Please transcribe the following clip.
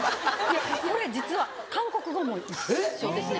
実は韓国語も一緒ですね。